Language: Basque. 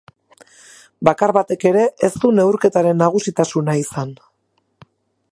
Bakar batek ere ez du neurketaren nagusitasuna izan.